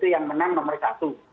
yang menang nomor satu